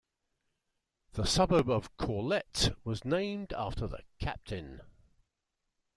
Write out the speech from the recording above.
The suburb of Corlette was named after the captain.